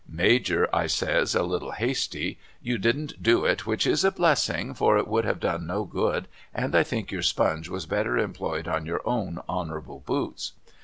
' Major ' I says a little hasty * you didn't do it which is a blessing, for it would have done no good and I think your sponge was better employed on your own honourable boots.'